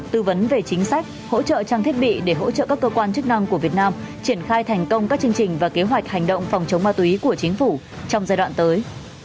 tư vấn về chính sách hỗ trợ trang thiết bị để hỗ trợ các cơ quan chức năng của việt nam triển khai thành công các chương trình và kế hoạch hành động phòng chống ma túy của chính phủ trong giai đoạn tới